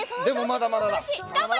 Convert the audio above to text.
でもまだまだだ。